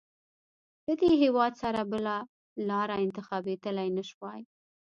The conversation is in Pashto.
له دې هېواد سره بله لاره انتخابېدلای نه شوای.